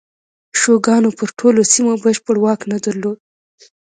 شوګان پر ټولو سیمو بشپړ واک نه درلود.